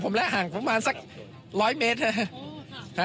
ผมแน่ห่างประมาณสักร้อยเมตร